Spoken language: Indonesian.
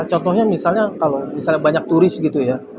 contohnya misalnya kalau misalnya banyak turis gitu ya